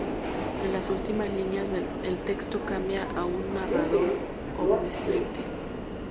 En las últimas líneas el texto cambia a un narrador omnisciente.